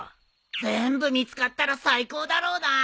全部見つかったら最高だろうなぁ。